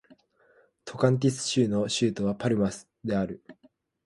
トカンティンス州の州都はパルマスである